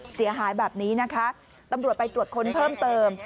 เสียหายแบบนี้นะคะตำรวจไปตรวจค้นเพิ่มเติม